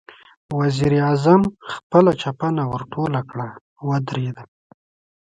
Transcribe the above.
وزير اعظم خپله چپنه ورټوله کړه، ودرېد.